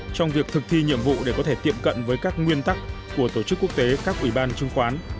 trong việc thực thi nhiệm vụ để có thể tiệm cận với các nguyên tắc của tổ chức quốc tế các ủy ban chứng khoán